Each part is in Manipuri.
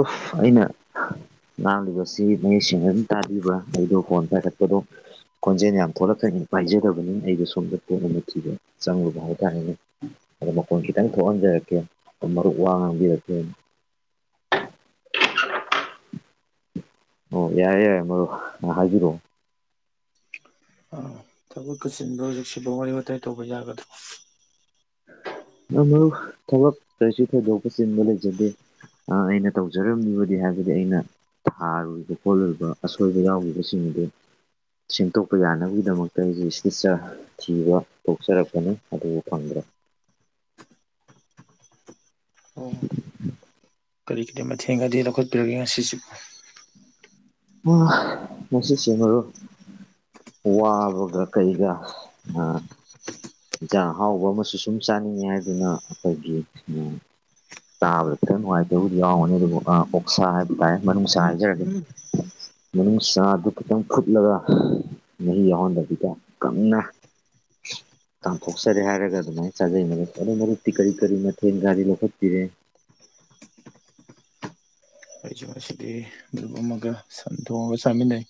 ꯑꯨꯞ ꯑꯩꯅ ꯉꯥꯡꯂꯤꯕꯁꯤ ꯃꯌꯦꯛ ꯁꯦꯡꯅ ꯑꯗꯨꯝ ꯇꯥꯕꯤꯕ꯭ꯔꯥ ꯑꯩꯗꯣ ꯐꯣꯟ ꯄꯥꯏꯔꯛꯄꯗꯣ ꯈꯣꯟꯖꯦꯜ ꯌꯥꯝ ꯊꯣꯛꯂꯛꯈ꯭ꯔꯗꯤ ꯄꯥꯏꯖꯗꯕꯅꯤꯅ ꯑꯩꯗ‌ꯣ ꯁꯣꯝꯗ ꯄꯣꯠ ꯑꯃ ꯊꯤꯗ ꯆꯪꯂꯨꯕ ꯍꯥꯏꯇꯥꯥꯔꯦꯅꯦ ꯑꯗꯣ ꯃꯈꯣꯟ ꯈꯤꯇꯪ ꯊꯣꯛꯍꯟꯖꯔꯛꯀꯦ ꯑ ꯃꯔꯨꯞ ꯋꯥ ꯉꯥꯡꯕꯤꯔꯛꯀꯦ ꯑꯣ ꯌꯥꯏꯌ‌ꯦ ꯌꯥꯏꯌ‌ꯦ ꯃꯔꯨꯞ ꯍꯥꯏꯕꯤꯔꯛꯑꯣ ꯑꯥ ꯊꯕꯛꯀꯥ ꯆꯤꯟꯕꯔ‌ꯣ ꯍꯧꯖꯤꯛꯁꯤꯕꯨ ꯋꯥꯔꯤ ꯋꯥꯇꯥꯏ ꯇꯧꯕ ꯌꯥꯒꯗ꯭ꯔ‌ꯣ ꯑ ꯃꯔꯨꯞ ꯊꯕꯛ ꯀꯔꯤꯁꯨ ꯊ‌ꯣꯏꯗꯣꯛꯄ ꯆꯤꯟꯕ ꯂꯩꯖꯗꯦ ꯑ ꯑꯩꯅ ꯇꯧꯖꯔꯝꯂꯤꯕꯗꯤ ꯍꯥꯏꯕꯗꯤ ꯑꯩꯅ ꯊꯥꯔꯨꯔꯤꯕ ꯈꯣꯠꯂꯨꯔꯤꯕ ꯑꯁꯣꯏꯕ ꯌꯥꯎꯈꯤꯕꯁꯤꯡ ꯑꯗꯨ ꯁꯦꯝꯗꯣꯛꯄ ꯌꯥꯅꯕꯒꯤꯗꯃꯛꯇ ꯑꯩꯁꯨ ꯏꯁꯇꯠꯆꯔ ꯊꯤꯕ ꯊꯣꯛꯆꯔꯛꯄꯅꯤ ꯑꯗꯨꯕꯨ ꯐꯪꯗ꯭ꯔꯦ ꯑꯣ ꯀꯔꯤ ꯀꯔꯤ ꯃꯇ‌ꯦꯜꯒꯗꯤ ꯂꯧꯈꯠꯄꯤꯔꯒꯦ ꯉꯁꯤꯁꯤꯕꯨ ꯑ ꯉꯁꯤꯁ‌ꯦ ꯃꯔꯨꯞ ꯋꯥꯕꯒ ꯀꯩꯒ ꯑꯥ ꯏꯟꯖꯥꯡ ꯑꯍꯥꯎꯕ ꯑꯃꯁꯨ ꯁꯨꯝ ꯆꯥꯅꯤꯡꯉꯦ ꯍꯥꯏꯗꯨꯅ ꯑꯩꯈꯣꯏꯒꯤ ꯑ ꯇꯥꯕꯗ ꯈꯤꯇꯪ ꯅꯨꯡꯉꯥꯏꯇꯕꯕꯨꯗꯤ ꯌꯥꯎꯔꯝꯒꯅꯤ ꯑꯗꯨꯕꯨ ꯑꯣꯛꯁꯥ ꯍꯥꯏꯕ ꯇꯥꯏ ꯃꯅꯨꯡꯁꯥ ꯍꯥꯏꯖꯔꯒꯦ ꯃꯅꯨꯡ ꯆꯥꯗꯨ ꯈꯤꯇꯪ ꯐꯨꯠꯂꯒ ꯃꯍꯤ ꯌꯥꯎꯍꯟꯗꯕꯤꯗ ꯀꯪꯅ ꯀꯥꯝꯊꯣꯛꯆꯔꯦ ꯍꯥꯏꯔꯒ ꯑꯗꯨꯃꯥꯏꯅ ꯆꯥꯖꯩ ꯃꯔ ꯃꯔꯣꯏ ꯃꯔꯨꯞꯛꯇꯤ ꯀꯔꯤ ꯀꯔꯤ ꯃꯊꯦꯜ ꯒꯥꯔꯤ ꯂꯧꯈꯠꯄꯤꯔꯦ ꯑꯩꯁꯨꯦ ꯉꯗꯤ ꯂꯨꯞ ꯑꯃꯒ ꯁꯟ ꯊꯣꯡꯉꯒ ꯆꯥꯃꯤꯟꯅꯩ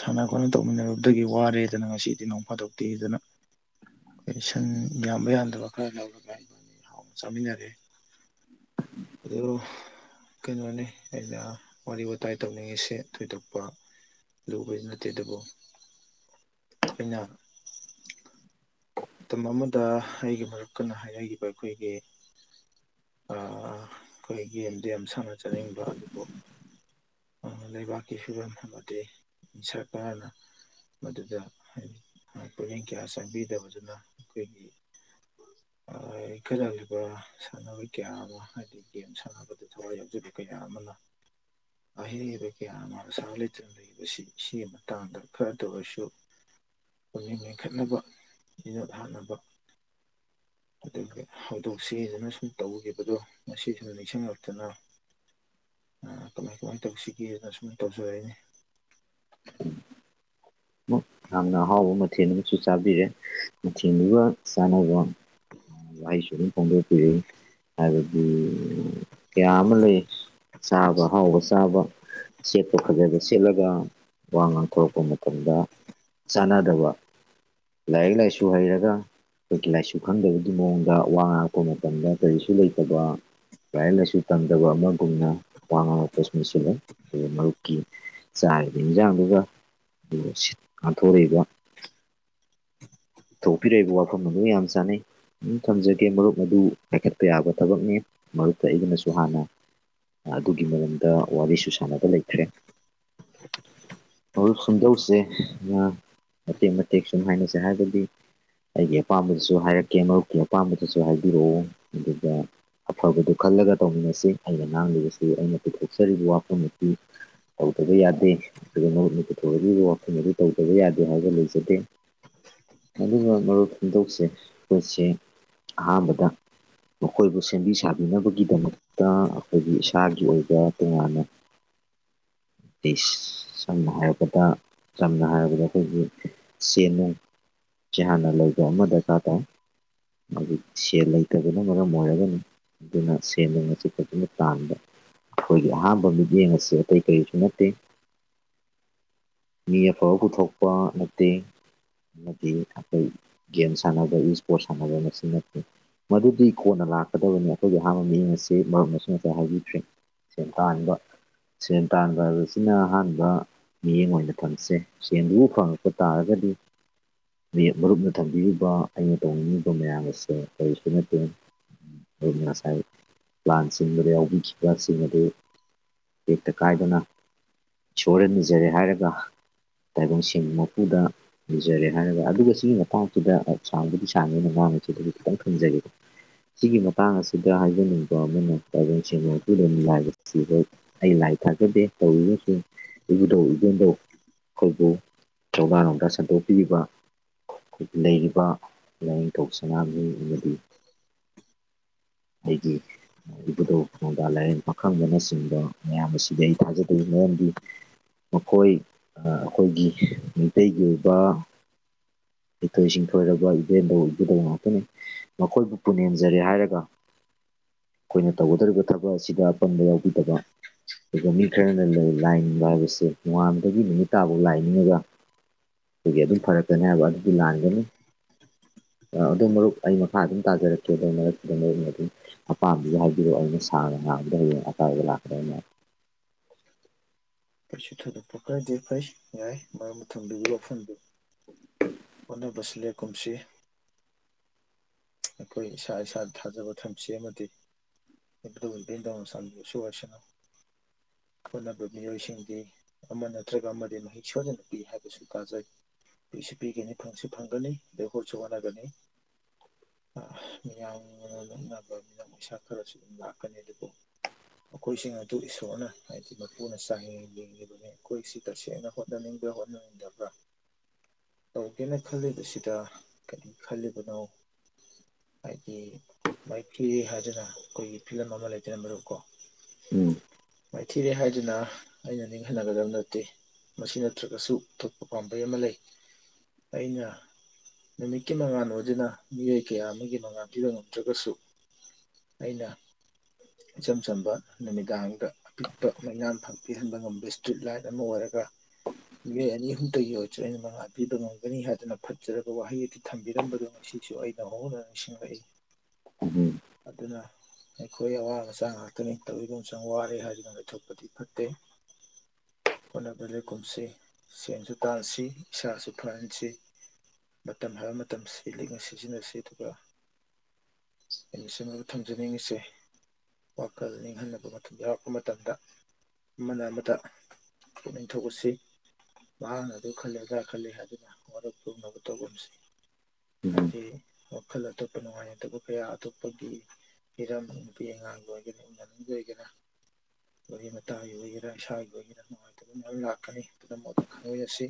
ꯁꯥꯟꯅ ꯈꯣꯠꯅ ꯇꯧꯃꯤꯟꯅꯔꯨꯕꯗꯒꯤ ꯋꯥꯔꯦꯗꯅ ꯉꯁꯤꯗꯤ ꯅꯣꯡ ꯐꯥꯗꯣꯛꯇꯦꯗꯅ ꯑꯩꯣꯏ ꯁꯟ ꯌꯥꯝꯕ ꯌꯥꯗꯕ ꯈꯔ ꯂꯧꯔꯒ ꯑꯩꯕꯥꯅꯤ ꯍꯥꯎꯅ ꯆꯥꯃꯤꯟꯅꯔꯦ ꯑꯗꯨ ꯀꯩꯅꯣꯅꯤ ꯑꯩꯅ ꯋꯥꯔꯤ ꯋꯥꯋꯇꯥꯏ ꯇꯧꯅꯤꯡꯉꯤꯁꯦ ꯊꯣꯏꯗꯣꯛꯄ ꯂꯨꯕꯁꯨ ꯅꯠꯇꯦ ꯑꯗꯨꯕꯨ ꯑꯩꯈꯣꯏꯅ ꯃꯇꯝ ꯑꯃꯗ ꯑꯩꯒꯤ ꯃꯔꯨꯞꯀꯅ ꯍꯥꯏꯅꯈꯤꯕ ꯑꯩꯈꯣꯏꯒꯤ ꯑꯩꯈꯣꯏ ꯒꯦꯝꯗ ꯌꯥꯝ ꯁꯥꯟꯅ ꯆꯠꯅꯤꯡꯕ ꯑꯗꯨꯕꯨ ꯂꯩꯕꯥꯛꯀꯤ ꯐꯤꯕꯝ ꯑꯃꯗꯤ ꯁꯔꯀꯥꯔꯅ ꯃꯗꯨꯗ ꯍꯥꯏꯗꯤ ꯄꯨꯛꯅꯤꯡ ꯀꯌꯥ ꯆꯪꯕꯤꯗꯕꯗꯨꯅ ꯑꯩꯈꯣꯏꯒꯤ ꯏꯟꯈꯠꯍꯕ ꯁꯥꯟꯅꯔꯣꯏ ꯀꯌꯥ ꯑꯃ ꯍꯥꯏꯗꯤ ꯒꯦꯝ ꯁꯥꯟꯅꯕꯗ ꯊꯋꯥꯏ ꯌꯥꯎꯖꯕ ꯀꯌꯥ ꯑꯃꯅ ꯑꯍꯩꯕ ꯀꯌꯥꯃꯥ ꯄꯧꯁꯥ ꯂꯩꯇꯥꯗꯅ ꯂꯩꯔꯤꯕ ꯁꯤꯒꯤ ꯃꯇꯥꯡꯗ ꯈꯔꯗ ꯑꯣꯏꯔꯁꯨ ꯄꯨꯛꯅꯤꯡ ꯃꯦꯟꯈꯠꯅꯕ ꯁꯤꯖꯣ ꯍꯥꯠꯅꯕ ꯑꯗꯨꯒꯤ ꯍꯧꯗꯣꯛꯁꯤꯗꯅ ꯁꯨꯝ ꯇꯧꯈꯤꯕꯗꯣ ꯉꯁꯤꯁꯤꯅ ꯅꯤꯡꯁꯤꯡꯉꯛꯇꯨꯅ ꯑ ꯀꯃꯥꯏ ꯀꯃꯥꯏꯅ ꯇꯧꯁꯤꯒꯦꯅ ꯁꯨꯃꯥꯏꯅ ꯇꯧꯖ ꯍꯥꯏꯅꯤ ꯌꯥꯝꯅ ꯑꯍꯥꯎꯕ ꯃꯊꯦꯜ ꯑꯃꯁꯨ ꯆꯥꯕꯤꯔꯦ ꯃꯊꯦꯜꯗꯨꯒ ꯆꯥꯅꯕ ꯂꯏꯁꯨꯔ ꯐꯣꯡꯗꯣꯛꯄꯤꯔꯤ ꯑꯗꯨꯗꯒꯤ ꯀꯌꯥ ꯑꯃ ꯂꯩ ꯆꯥꯕ ꯍꯍꯥꯎꯕ ꯆꯥꯕ ꯁꯦꯠꯄ ꯐꯖꯕ ꯁꯦꯠꯂꯒ ꯋꯥ ꯉꯥꯡꯊꯣꯔꯛꯄ ꯃꯇꯝ ꯑꯗꯨꯗ ꯆꯥꯟꯅꯗꯕ ꯂꯥꯏꯔꯤꯛ ꯂꯥꯏꯁꯨ ꯍꯩꯔꯒ ꯐꯔꯇꯤꯂꯥꯏꯁꯁꯨ ꯈꯪꯗꯕꯒꯤ ꯃꯑꯣꯡꯗ ꯋꯥ ꯉꯥꯡꯉꯛꯄ ꯃꯇꯝꯗ ꯀꯔꯤꯁꯨ ꯂꯩꯇꯕ ꯂꯥꯏꯔꯤꯛ ꯂꯥꯏꯁꯨ ꯇꯝꯗꯕ ꯑꯃꯒꯨꯝꯅ ꯋꯥ ꯉꯥꯡꯉꯛꯄꯥꯇꯁꯨ ꯃꯁꯤꯂꯦ ꯑꯗꯨꯒ ꯃꯔꯨꯞꯀꯤ ꯆꯥꯏꯗꯤꯅ ꯆꯥꯡꯗꯨꯒ ꯑꯗꯨꯒ ꯁꯤ ꯉꯥꯊꯣꯔꯛꯏꯕ ꯊꯣꯛꯄꯤꯔꯛꯏꯕ ꯋꯥꯐꯝ ꯑꯗꯨ ꯌꯥꯝ ꯆꯥꯅꯩ ꯑꯗꯨꯝ ꯊꯝꯖꯒꯦ ꯃꯔꯨꯞ ꯃꯗꯨ ꯄꯥꯏꯈꯠꯄ ꯌꯥꯕ ꯊꯕꯛꯅꯤ ꯃꯔꯨꯞꯛꯇ ꯑꯩꯒꯤꯅꯁꯨ ꯍꯥꯟꯅ ꯑꯗꯨꯒꯤ ꯃꯔꯝꯗ ꯋꯥꯔꯤꯁꯨ ꯁꯥꯟꯅꯕ ꯂꯩꯈ꯭ꯔꯦ ꯃꯍꯔꯜ ꯁꯨꯝꯗꯧꯁꯦ ꯃꯇꯦꯛ ꯃꯇꯦꯛ ꯁꯨꯝ ꯍꯥꯏꯅꯁꯦ ꯍꯥꯏꯔꯒꯗꯤ ꯑꯩꯒꯤ ꯑꯄꯥꯝꯕꯗꯁꯨ ꯍꯥꯏꯔꯛꯀꯦ ꯃꯔꯨꯞꯀꯤ ꯑꯄꯥꯝꯕꯗꯁꯨ ꯍꯥꯏꯕꯤꯔꯛꯎ ꯑꯗꯨꯒ ꯑꯐꯕꯗꯨ ꯈꯜꯂꯒ ꯇꯧꯃꯤꯟꯅꯁꯤ ꯑꯩꯅ ꯉꯥꯡꯂꯤꯕꯁꯤ ꯑꯩꯅ ꯄꯨꯊꯣꯛꯆꯔꯤꯕ ꯋꯥꯐꯝ ꯑꯁꯤ ꯇꯧꯗꯕ ꯌꯥꯗꯦ [unintelligible] ꯋꯥꯐꯝ ꯑꯗꯨ ꯇꯧꯗꯕ ꯌꯥꯗꯦ ꯍꯥꯏꯕ ꯂꯩꯖꯗꯦ ꯑꯗꯨꯒ ꯃꯔꯨꯞ ꯐꯣꯡꯗꯣꯛꯁꯦ ꯑꯩꯈꯣꯏꯁꯦ ꯑꯍꯥꯟꯕꯗ ꯃꯈꯣꯏꯕꯨ ꯁꯦꯝꯕꯤ ꯁꯥꯕꯤꯅꯕꯒꯤꯗꯃꯛꯇ ꯑꯩꯈꯣꯏꯒꯤ ꯏꯁꯥꯒꯤ ꯑꯣꯏꯕ ꯇꯣꯉꯥꯟꯅ ꯏꯁ ꯁꯝꯅ ꯍꯥꯏꯔꯕꯗ ꯆꯝꯅ ꯍꯥꯏꯔꯕꯗ ꯑꯩꯈꯣꯏꯒꯤ ꯆꯦꯅꯨꯡ ꯁꯤ ꯍꯥꯟꯅ ꯂꯧꯕ ꯑꯃ ꯗꯔꯀ ꯇꯥꯏ ꯃꯔꯨꯞ ꯁꯦꯜ ꯂꯩꯇꯕꯅ ꯃꯔꯝ ꯑꯣꯏꯔꯒꯅꯤ ꯑꯗꯨꯅ ꯁꯦꯟꯗꯣ ꯐꯖꯅ ꯇꯥꯟꯕ ꯑꯩꯈꯣꯏꯒꯤ ꯑꯍꯥꯟꯕ ꯃꯤꯠꯌꯦꯡ ꯑꯁꯤ ꯑꯩꯈꯣꯏ ꯀꯔꯤꯁꯨ ꯅꯠꯇꯦ ꯃꯤ ꯑꯐꯕ ꯄꯨꯊꯣꯛꯄ ꯅꯠꯇꯦ ꯑꯃꯗꯤ ꯑꯩꯈꯣꯏ ꯒꯦꯝ ꯁꯥꯟꯅꯕ ꯏꯁꯄꯣꯔꯠ ꯁꯥꯟꯅꯕ ꯃꯁꯤ ꯅꯠꯇꯦ ꯃꯗꯨꯗꯤ ꯀꯣꯟꯅ ꯂꯥꯛꯀꯗꯕꯅꯤ ꯑꯩꯈꯣꯏꯒꯤ ꯑꯍꯥꯟꯕ ꯃꯤ ꯑꯁꯤ ꯃꯅꯁꯨ ꯉꯁꯥꯏ ꯍꯥꯏꯕꯤꯈ꯭ꯔꯤ ꯁꯦꯟ ꯇꯥꯟꯕ ꯁꯦꯟ ꯇꯥꯟꯕ ꯍꯥꯏꯕꯁꯤꯅ ꯑꯍꯥꯟꯕ ꯃꯤꯠꯌꯦꯡ ꯑꯣꯏꯅ ꯐꯝꯁꯦ ꯁꯦꯡꯕꯨ ꯐꯪꯉꯛꯄ ꯇꯥꯔꯒꯗꯤ ꯅꯦ ꯃꯔꯨꯞꯅ ꯊꯝꯕꯤꯔꯤꯕ ꯑꯩꯅ ꯇꯧꯅꯤꯡꯉꯤꯕ ꯃꯌꯥꯝ ꯑꯁꯦ ꯀꯔꯤꯁꯨ ꯅꯠꯇꯦ ꯑꯩ ꯉꯁꯥꯏ ꯄ꯭ꯂꯥꯟ ꯁꯤꯡ ꯗꯨꯗ ꯌꯥꯎꯕꯤꯈꯤꯕ ꯁꯤꯡ ꯑꯗꯨ ꯇꯦꯛꯇ ꯀꯥꯏꯗꯅ ꯏꯁꯣꯔꯗ ꯅꯤꯖꯔꯦ ꯍꯥꯏꯔꯒ ꯇꯥꯏꯕꯪ ꯁꯤꯡ ꯃꯄꯨꯗ ꯅꯤꯖꯔꯦ ꯍꯥꯏꯔꯒ ꯑꯗꯨꯒ ꯁꯤꯒꯤ ꯃꯇꯥꯡꯁꯤꯗ ꯁꯥꯡꯕꯨꯗꯤ ꯁꯥꯡꯉꯦ ꯑꯩꯅ ꯉꯥꯡꯕꯁꯤ ꯑꯗꯨ ꯈꯤꯇꯪ ꯈꯪꯖꯔꯦ ꯁꯤꯒꯤ ꯃꯇꯥꯡ ꯑꯁꯤꯗ ꯍꯥꯏꯖꯅꯤꯡꯕ ꯑꯃꯅ ꯇꯥꯏꯕꯪ ꯁꯦꯝꯕ ꯃꯄꯨꯅ [unintelligible] ꯑꯩ ꯂꯥꯏ ꯊꯥꯖꯗꯦ ꯇꯧꯔꯤꯕꯁꯨꯡ ꯏꯕꯨꯗꯧ ꯏꯕꯦꯟꯗꯧ ꯑꯩꯈꯣꯏꯕꯨ [unintelligible] ꯅꯨꯡꯗ ꯁꯟꯗꯣꯛꯄꯤꯔꯤꯕ ꯈꯣꯏ ꯂꯩꯔꯤꯕ ꯂꯥꯏꯅꯤꯡꯊꯧ ꯁꯅꯥꯃꯍꯤ ꯑꯃꯗꯤ ꯑꯩꯒꯤ ꯏꯕꯨꯙꯧ ꯅꯣꯡꯗꯥ ꯂꯥꯏꯔꯦꯟ ꯄꯥꯈꯪꯕꯅꯆꯤꯡꯕ ꯃꯌꯥꯝ ꯑꯁꯤꯗꯩ ꯑꯩ ꯊꯥꯖꯗꯦ ꯃꯔꯝꯗꯤ ꯃꯈꯣꯏ ꯑ ꯑꯩꯈꯣꯏꯒꯤ ꯃꯩꯇꯩꯒꯤ ꯑꯣꯏꯕ ꯍꯩꯊꯣꯏ ꯁꯤꯡꯊꯣꯏꯔꯕ ꯏꯕꯦꯟꯗꯧ ꯏꯕꯨꯗꯧ ꯉꯥꯛꯇꯅꯤ ꯃꯈꯣꯏꯕꯨ ꯄꯨꯅꯦꯝꯖꯔꯦ ꯍꯥꯏꯔꯒ ꯑꯩꯈꯣꯏꯅ ꯇꯧꯒꯗꯧꯔꯤꯕ ꯊꯕꯛ ꯑꯁꯤꯗ ꯑꯄꯟꯕ ꯌꯥꯎꯕꯤꯗꯕ ꯑꯗꯨꯒ ꯃꯤ ꯈꯔꯅ ꯂꯩ ꯂꯥꯏꯅꯤꯡꯕ ꯍꯥꯏꯕꯁꯦ ꯅꯣꯡꯉꯥꯟꯕꯗꯒꯤ ꯅꯨꯃꯤꯠ ꯇꯥꯕꯧ ꯂꯥꯏꯅꯤꯡꯉꯒ ꯑꯗꯨꯒꯤ ꯑꯗꯨꯝ ꯐꯔꯛꯀꯅꯤ ꯍꯥꯏꯕ ꯑꯗꯨꯗꯤ ꯂꯥꯟꯒꯅꯤ ꯑꯥ ꯑꯗꯨ ꯃꯔꯨꯞ ꯑꯩ ꯃꯈꯥ ꯑꯗꯨꯝ ꯇꯥꯖꯔꯛꯀꯦ [unintelligible] ꯑꯄꯥꯝꯕꯗꯣ ꯍꯥꯏꯕꯤꯔꯣ ꯑꯩꯅ ꯁꯥꯡꯅ ꯉꯥꯡꯕꯗ ꯍꯌꯦꯡ ꯑꯀꯥꯏꯕ [unintelligible] [inaudible] ꯀꯩꯁꯨ ꯊꯣꯏꯗꯣꯛꯄ ꯀꯥꯏꯗꯦ ꯐꯩ ꯌꯥꯏ ꯃꯔꯨꯞꯅ ꯊꯝꯕꯤꯔꯤꯕ ꯋꯥꯐꯝꯗꯨ ꯍꯣꯠꯅꯕꯁꯨ ꯂꯦꯞꯀꯨꯝꯁꯤ ꯑꯩꯈꯣꯏ ꯏꯁꯥ ꯏꯁꯥ ꯊꯥꯖꯕ ꯊꯝꯁꯤ ꯑꯃꯗꯤ ꯏꯕꯨꯙꯧ ꯏꯕꯦꯟꯗꯧꯅ ꯆꯥꯟꯕꯤꯕꯁꯨ ꯑꯣꯏꯁꯅꯣ ꯍꯣꯠꯅꯕ ꯃꯤꯑꯣꯏꯁꯤꯡꯗꯤ ꯑꯃ ꯅꯠꯇ꯭ꯔꯒ ꯑꯃꯗꯤ ꯃꯍꯩ ꯁꯣꯏꯗꯅ ꯄꯤ ꯍꯥꯏꯕꯁꯨ ꯇꯥꯖꯩ ꯄꯤꯁꯨ ꯄꯤꯒꯅꯤ ꯐꯪꯁꯨ ꯐꯪꯒꯅꯤ ꯑꯗꯩ ꯍꯣꯠꯁꯨ ꯍꯣꯠꯅꯒꯅꯤ ꯑ ꯃꯤꯌꯥꯝꯅ [unintelligible] ꯄꯩꯁꯥ ꯈꯔꯁꯨ ꯑꯗꯨꯝ ꯂꯥꯛꯀꯅꯤ ꯑꯗꯨꯕꯨ ꯃꯈꯣꯏꯁꯤꯡ ꯑꯗꯨ ꯏꯁꯣꯔꯅ ꯍꯥꯏꯗꯤ ꯃꯄꯨꯅ ꯆꯥꯡꯌꯦꯡ ꯌꯦꯡꯂꯤꯕꯅꯤ ꯑꯩꯈꯣꯏꯁꯤ ꯇꯁꯦꯡꯅ ꯍꯣꯠꯅꯅꯤꯡꯕ꯭ꯔꯥ ꯍꯣꯠꯅꯅꯤꯡꯗꯕ꯭꯭ꯔꯥ ꯇꯧꯒꯦꯅ ꯈꯜꯂꯤꯕꯁꯤꯗ ꯀꯔꯤ ꯈꯜꯂꯤꯕꯅꯣ ꯍꯥꯏꯗꯤ ꯃꯥꯏꯊꯤ ꯍꯥꯏꯗꯅ ꯑꯩꯈꯣꯏꯒꯤ ꯐꯤꯚꯝ ꯑꯃ ꯂꯩꯗꯅ ꯃꯔꯨꯞꯀꯣ ꯎꯝ ꯃꯥꯏꯊꯤꯔꯦ ꯍꯥꯏꯗꯨꯅ ꯑꯩꯅ ꯅꯤꯡꯍꯟꯅꯒꯗꯕ ꯅꯠꯇꯦ ꯃꯁꯤ ꯅꯠꯇ꯭ꯔꯒꯁꯨ ꯑꯇꯣꯞꯄ ꯄꯥꯝꯕꯩ ꯑꯃ ꯂꯩ ꯑꯩꯅ ꯅꯨꯃꯤꯠꯀꯤ ꯃꯉꯥꯜ ꯑꯣꯏꯗꯨꯅ ꯃꯤꯑꯣꯏ ꯀꯌꯥ ꯑꯃꯒꯤ ꯃꯉꯥꯜ ꯄꯤꯕ ꯉꯝꯗ꯭ꯔꯒꯁꯨ ꯑꯩꯅ ꯏꯆꯝ ꯆꯝꯕ ꯅꯨꯃꯤꯗꯥꯡꯗ ꯑꯄꯤꯛꯄ ꯃꯩꯉꯥꯟ ꯐꯪ ꯄꯤꯍꯟꯕ ꯉꯝꯕ ꯏꯁꯇ꯭ꯔꯤꯠ ꯂꯥꯏꯠ ꯑꯃ ꯑꯣꯏꯔꯒ ꯃꯤꯑꯣꯏ ꯑꯅꯤ ꯑꯍꯨꯝꯇꯒꯤ ꯑꯣꯏꯔꯁꯨ ꯑꯩꯅ ꯃꯉꯥꯜ ꯄꯤꯕ ꯉꯝꯒꯅꯤ ꯍꯥꯏꯗꯨꯅ ꯐꯠꯖꯔꯕ ꯋꯥꯍꯩ ꯑꯗꯨ ꯊꯝꯕꯤꯔꯝꯕꯗꯨ ꯉꯁꯤꯁꯨ ꯑꯩ ꯅꯧꯍꯧꯅꯥꯅ ꯅꯤꯡꯁꯤꯡꯂꯛꯏ ꯎꯝ ꯑꯗꯨꯅ ꯑꯩꯈꯣꯏ ꯑꯋꯥ ꯃꯆꯥ ꯉꯥꯛꯇꯅꯤ ꯇꯧꯏꯒꯨꯝꯁꯨꯡ ꯋꯥꯔꯦ ꯍꯥꯏꯗꯨꯅ ꯂꯩꯊꯣꯛꯄꯗꯤ ꯐꯠꯇꯦ ꯍꯣꯠꯅꯕꯗ ꯂꯦꯞꯀꯨꯝꯁꯤ ꯁꯦꯟꯁꯨ ꯇꯥꯟꯁꯤ ꯏꯁꯥꯁꯨ ꯐꯍꯟꯁꯤ ꯃꯇꯝ ꯍꯥꯏꯕ ꯃꯇꯝꯁꯤ ꯂꯤꯛꯅ ꯁꯤꯖꯤꯟꯅꯁꯤ ꯑꯗꯨꯒ ꯑꯩꯅ ꯁꯤꯃꯒ ꯊꯝꯖꯅꯤꯡꯉꯤꯁꯦ ꯋꯥꯈꯜ ꯅꯤꯡꯍꯟꯅꯕ ꯃꯇꯝ ꯌꯥꯎꯔꯛꯄ ꯃꯇꯝꯗ ꯑꯃꯅ ꯑꯃꯗ ꯄꯨꯛꯅꯤꯡ ꯊꯧꯒꯠꯁꯤ ꯃꯍꯥꯛꯅ ꯑꯗꯨ ꯈꯜꯂꯦ ꯑꯗꯥ ꯈꯜꯂꯦ ꯍꯥꯏꯗꯨꯅ ꯋꯥꯔꯧ ꯄꯨꯛꯂꯧꯅꯕ ꯇꯧꯒꯨꯝꯁꯤ ꯎꯝ ꯍꯥꯏꯗꯤ ꯋꯥꯈꯜ ꯑꯇꯣꯞꯄ ꯅꯨꯡꯉꯥꯏꯅꯗꯕ ꯀꯌꯥ ꯑꯇꯣꯞꯄꯒꯤ ꯍꯤꯔꯝ ꯅꯨꯄꯤ ꯑꯉꯥꯡꯒꯤ ꯑꯣꯏꯒꯅꯤ [unintelligible] ꯃꯅꯨꯡꯒꯤ ꯑꯣꯏꯒꯦꯔꯥ ꯑꯣꯏ ꯃꯇꯥꯒꯤ ꯑꯣꯏꯒꯦꯔꯥ ꯏꯁꯥꯒꯤ ꯑꯣꯏꯒꯦꯔꯥ ꯉꯥꯏ [unintelligible] ꯑꯩ ꯂꯥꯛꯀꯅꯤ ꯑꯗꯨꯅ ꯑꯃꯨꯛ ꯑꯗꯨ ꯈꯪꯃꯤꯟꯅꯁꯤ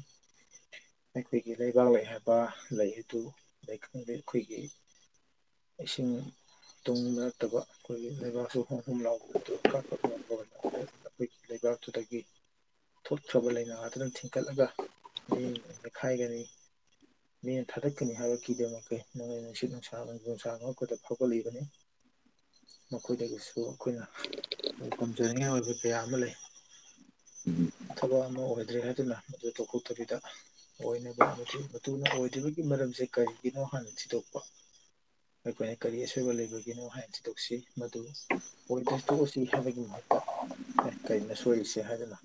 ꯑꯩꯈꯣꯏꯒꯤ ꯂꯩꯕꯥꯛ ꯂꯩ ꯍꯥꯏꯕ ꯂꯩ ꯑꯗꯨ ꯂꯩꯀꯪꯗ ꯑꯩꯈꯣꯏꯒꯤ ꯆꯤꯡ ꯇꯨꯡ ꯅꯠꯇꯕ ꯑꯩꯈꯣꯏꯒꯤ ꯂꯩꯕꯥꯛꯁꯨ ꯍꯣꯝ ꯍꯣꯝ ꯂꯥꯎꯕ ꯅꯠꯇꯕ ꯀ꯭ꯔꯛ ꯀ꯭ꯔꯛ ꯂꯥꯎꯕ ꯃꯇꯝ ꯑꯩꯈꯣꯏꯒꯤ ꯂꯩꯕꯥꯛꯇꯨꯗꯒꯤ ꯊꯣꯛꯈ꯭ꯔꯕ ꯂꯩꯅꯥ ꯑꯗꯨꯅ ꯊꯤꯟꯀꯠꯂꯒ ꯃꯤ ꯅꯦꯠꯈꯥꯏꯒꯅꯤ ꯃꯤꯅ ꯊꯥꯗꯛꯀꯅꯤ ꯍꯥꯏꯕ ꯀꯤꯗ ꯃꯈꯩ ꯅꯣꯏ ꯅꯨꯡꯁꯤꯠ ꯅꯨꯡꯁꯥ ꯅꯨꯡꯁꯥ ꯑꯃ ꯈ ꯐꯒꯜ ꯂꯩꯕꯅꯦ ꯃꯈꯣꯏꯗꯒꯤꯁꯨ ꯑꯩꯈꯣꯏꯅꯣꯏ ꯄꯨꯝꯝꯖꯅꯤꯡꯉꯥꯏ ꯑꯣꯏꯕ ꯀꯌꯥ ꯑꯃ ꯂꯩ [inaudible] ꯎꯝ ꯊꯕꯛ ꯑꯃ ꯑꯣꯏꯗ꯭ꯔꯦ ꯍꯥꯏꯗꯨꯅ ꯃꯗꯨ ꯇꯧꯊꯣꯛꯇꯕꯤꯗ ꯑꯣꯏꯅꯕ ꯑꯃꯗꯤ ꯃꯇꯨꯡꯅ ꯑꯣꯏꯗ꯭ꯔꯤꯕꯒꯤ ꯃꯔꯝꯁꯦ ꯀꯔꯤꯒꯤꯅꯣ ꯍꯥꯟꯅ ꯊꯤꯗꯣꯛꯄ ꯑꯩꯈꯣꯏꯅ ꯀꯔꯤ ꯑꯁꯣꯏꯕ ꯂꯩꯕꯒꯤꯅꯣ ꯍꯥꯏꯅ ꯊꯤꯗꯣꯛꯁꯤ ꯃꯗꯨ ꯑꯣꯏꯗ ꯇꯣꯛꯑꯁꯤ ꯍꯥꯏꯕꯒꯤ ꯃꯍꯨꯠꯇ ꯑꯦ ꯀꯔꯤꯩꯅ ꯁꯣꯏꯏꯁꯦ ꯍꯥꯏꯗꯅ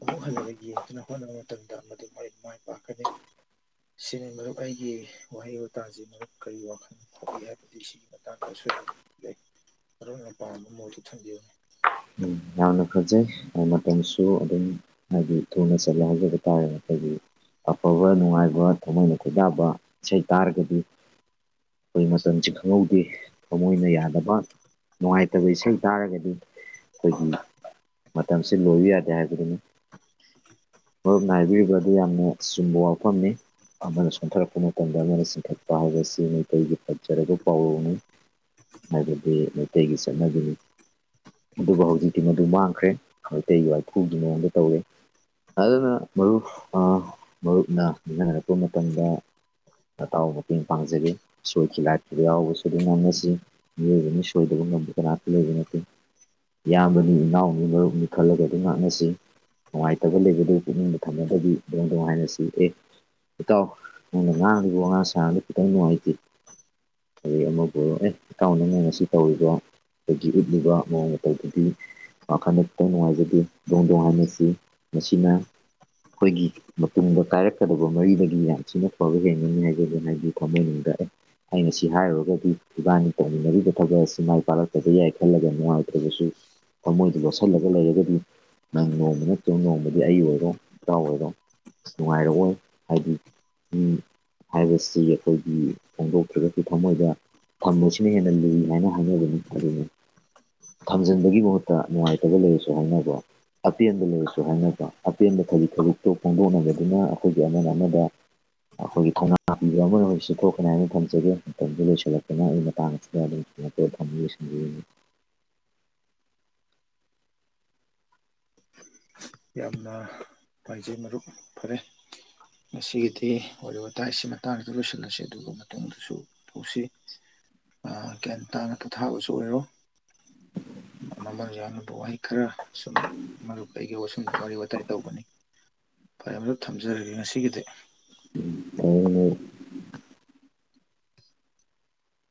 ꯑꯃꯨꯛ ꯍꯜꯂꯒ ꯌꯦꯡꯗꯨꯅ ꯍꯣꯠꯅꯕ ꯃꯇꯝꯗ ꯃꯗꯨ ꯃꯣꯏ ꯃꯥꯏ ꯄꯥꯛꯀꯅꯤ ꯁꯤꯅꯤ ꯃꯔꯨꯞ ꯑꯩꯒꯤ ꯋꯥꯍꯩ ꯋꯥꯇꯥꯁꯤ ꯃꯔꯨꯞ ꯀꯔꯤ ꯋꯥꯈ ꯍꯣꯕꯤ ꯍꯥꯏꯕꯗꯤ ꯁꯤꯒꯤ ꯃꯇꯥꯡꯗ ꯑꯁꯣꯏꯗ ꯂꯩ ꯃꯔꯝꯅ ꯄꯥꯝꯕ ꯃꯣꯏꯗꯨ ꯊꯝꯕꯤꯌꯨꯅꯤ ꯎꯝ ꯌꯥꯝꯅ ꯐꯖꯩ ꯃꯇꯝꯁꯨ ꯑꯗꯨꯝ ꯍꯥꯏꯗꯤ ꯊꯨꯅ ꯆꯠꯂꯦ ꯍꯥꯏꯖꯕ ꯇꯥꯔꯦ ꯑꯩꯈꯣꯏꯒꯤ ꯑꯐꯕ ꯅꯨꯡꯉꯥꯏꯕ ꯊꯃꯣꯏꯅ ꯈꯣꯏꯗꯥꯕ ꯏꯁꯩ ꯇꯥꯔꯒꯗꯤ ꯑꯩꯈꯣꯏ ꯃꯇꯝꯁꯦ ꯈꯪꯍꯧꯗꯦ ꯊꯃꯣꯏꯅ ꯌꯥꯗꯕ ꯅꯨꯡꯉꯥꯏꯇꯕ ꯏꯁꯩ ꯇꯥꯔꯒꯗꯤ ꯑꯩꯈꯣꯏꯒꯤ ꯃꯇꯝꯁꯤ ꯂꯣꯏꯕ ꯌꯥꯗꯦ ꯍꯥꯏꯕꯗꯨꯅꯤ ꯨꯞ ꯉꯥꯏꯕꯤꯔꯤꯕ ꯑꯗꯨ ꯌꯥꯝꯅ ꯆꯨꯝꯕ ꯋꯥꯐꯝꯅꯤ ꯑꯃꯅ ꯆꯣꯟꯊꯔꯛꯄ ꯃꯇꯝꯗ ꯑꯃꯅ ꯆꯤꯡꯈꯠꯄ ꯍꯥꯏꯕꯁꯤ ꯃꯩꯇꯩꯒꯤ ꯐꯖꯔꯕ ꯄꯥꯎꯔꯧꯅꯤ ꯍꯥꯏꯕꯗꯤ ꯃꯩꯇꯩꯒꯤ ꯆꯠꯅꯕꯤꯅꯤ ꯑꯗꯨꯕꯨ ꯍꯧꯖꯤꯛꯇꯤ ꯃꯗꯨ ꯃꯥꯡꯈ꯭ꯔꯦ ꯃꯩꯇꯩꯒꯤ ꯋꯥꯏꯈꯨꯒꯤ ꯃꯣꯟꯗ ꯇꯧꯔꯦ ꯑꯗꯨꯅ ꯃꯔꯨꯞ ꯃꯔꯨꯞꯅ ꯅꯤꯡꯅꯍꯔꯛꯄ ꯃꯇꯝꯗ ꯑꯇꯥꯎꯕ ꯃꯇꯦꯡ ꯄꯥꯡꯖꯒꯦ ꯁꯣꯏꯈꯤ ꯂꯥꯏꯄꯗ ꯌꯥꯎꯕꯁꯨ ꯑꯗꯨꯝ ꯉꯝꯅꯁꯤ ꯃꯤꯅꯤ ꯁꯣꯏꯗꯕꯨꯡ ꯉꯝꯀꯅ ꯔꯥꯛꯂꯤꯕ ꯏꯌꯥꯝꯕꯅꯤ ꯏꯅꯥꯎꯅꯤ ꯃꯔꯨꯞꯅꯤ ꯈꯜꯂꯒ ꯑꯗꯨꯝ ꯉꯥꯛꯅꯁꯤ ꯅꯨꯡꯉꯥꯏꯇꯕ ꯂꯩꯕ ꯑꯗꯨ ꯄꯨꯛꯅꯤꯡꯗ ꯊꯝꯅꯗꯕꯤ ꯑꯗꯨ ꯅꯨꯡꯉꯥꯏꯅ ꯁꯤꯔꯦ ꯏꯇꯥꯎ ꯅꯪꯅ ꯉꯥꯡꯗꯨꯕꯨ ꯉꯥꯡ ꯁꯥꯥꯡꯅꯕꯗ ꯈꯤꯇꯪ ꯅꯨꯡꯉꯥꯏꯇꯦ ꯑꯩ ꯑꯃꯕꯨ ꯑꯦ ꯑꯦꯀꯥꯎꯟ ꯑꯅ ꯉꯁꯤ ꯇꯧꯔꯤꯕ ꯑꯗꯒꯤ ꯎꯠꯂꯤꯕ ꯃꯑꯣꯡ ꯃꯇꯧꯗꯗꯤ ꯋꯥꯈꯜꯇ ꯅꯨꯡꯉꯥꯏꯖꯗꯦ ꯗꯣꯡ ꯗꯣꯡ ꯍꯥꯏꯅꯁꯤ ꯃꯁꯤꯅ ꯑꯩꯈꯣꯏꯒꯤ ꯃꯇꯨꯡꯗ ꯀꯥꯏꯔꯛꯀꯗꯕ ꯃꯔꯤꯗꯒꯤ ꯌꯥꯝ ꯊꯤꯅ ꯐꯕ ꯍꯦꯟꯒꯅꯤꯉꯖꯗꯅ ꯑꯩꯗꯤ ꯊꯝꯃꯣꯏꯅꯤꯡꯗ ꯑꯩ ꯑꯩꯅ ꯁꯤ ꯍꯥꯏꯔꯨꯔꯒꯗꯤ ꯏꯕꯥꯅꯤ ꯇꯧꯃꯤꯟꯅꯔꯤꯕ ꯊꯕꯛ ꯑꯁꯤ ꯃꯥꯏ ꯄꯥꯛꯂꯛꯇꯕ ꯌꯥꯏ ꯈꯜꯂꯒ ꯅꯨꯡꯉꯥꯏꯇ꯭ꯔꯕꯁꯨ ꯊꯃꯣꯏꯗ ꯂꯣꯠꯁꯤꯜꯂꯒ ꯂꯩꯔꯒꯗꯤ ꯅꯪ ꯅꯣꯡꯃ ꯅ ꯆꯨꯝ ꯅꯣꯡꯃꯗꯤ ꯑꯩ ꯑꯣꯏꯔꯣ ꯏꯄꯥ ꯑꯣꯏꯔꯣ ꯅꯨꯡꯉꯥꯏꯔꯑꯣꯣꯏ ꯍꯥꯏꯗꯤ ꯃꯤ ꯍꯥꯏꯕꯁꯤ ꯑꯩꯈꯣꯏꯒꯤ ꯐꯣꯡꯗꯣꯛ ꯊꯗꯛꯀꯤ ꯊꯃꯣꯏꯗ ꯊꯝꯕꯁꯤꯅ ꯍꯦꯟꯅ ꯂꯨꯏ ꯍꯥꯏꯅ ꯍꯥꯏꯅꯕꯅꯤ ꯑꯗꯨꯅꯤ ꯊꯝꯖꯤꯟꯕꯒꯤ ꯃꯍꯨꯠꯇ ꯅꯨꯡꯉꯥꯏꯇꯕ ꯂꯩꯔꯁꯨ ꯍꯥꯏꯅꯕꯣ ꯑꯄꯦꯟꯕ ꯂꯩꯔꯁꯨ ꯍꯥꯏꯅꯕ ꯑꯄꯦꯟꯕ ꯊꯔꯤ ꯊꯧꯕꯛꯇꯣ ꯐꯣꯡꯗꯣꯛꯅꯕꯗꯨꯅ ꯑꯩꯈꯣꯏꯒꯤ ꯑꯃꯅ ꯑꯃꯗ ꯑꯩꯈꯣꯏꯒꯤ ꯊꯧꯅꯥ ꯄꯤꯕ ꯑꯃ ꯑꯣꯏꯔꯁꯤ ꯈꯣꯠꯀꯅꯤ ꯍꯥꯏꯅ ꯊꯝꯖ ꯖꯒꯦ ꯃꯇꯝꯗꯨ ꯂꯣꯏꯁꯤꯜꯂꯛꯛꯇꯨꯅ ꯑꯩꯒꯤ ꯃꯇꯥꯡꯁꯤꯗ ꯑꯗꯨꯝꯉꯛꯇ ꯐꯝ ꯂꯣꯏꯁꯤꯟꯕꯤꯅꯤ [inaudible] ꯌꯥꯝꯅ ꯅꯨꯡꯉꯥꯏꯖꯩ ꯃꯔꯨꯞ ꯐꯔꯦ [inaudible] ꯉꯁꯤꯒꯤꯗꯤ ꯋꯥꯔꯤ ꯋꯥꯇꯥꯏ ꯑꯁꯤ ꯃꯇꯥꯡꯗ ꯂꯣꯏꯁꯤꯜꯂꯁꯤ ꯑꯗꯨꯒ ꯃꯇꯨꯡꯗꯁꯨ ꯇꯧꯁꯤ ꯒ꯭ꯌꯥꯟ ꯇꯥꯅ ꯇꯊꯥꯕꯁꯨ ꯑꯣꯏꯔꯣ ꯃꯃꯜ ꯌꯥꯝꯂꯕ ꯋꯥꯍꯩ ꯈꯔ ꯁꯨꯝ ꯃꯗꯨ ꯀꯩꯒꯤ ꯋꯥꯔꯤ ꯋꯥꯇꯥꯏ ꯇꯧꯕꯅꯤ ꯐꯔꯦ ꯑꯗꯨ ꯊꯝꯖꯔꯒꯦ ꯉꯁꯤꯒꯤꯗꯤ ꯑ [inaudible]